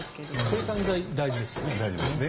制汗剤、大事ですよね。